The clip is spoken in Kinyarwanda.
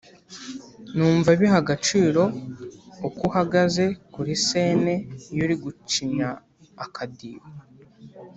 Numva biha agaciro uko uhagaze kuri scene iyo uri gucinya akadiho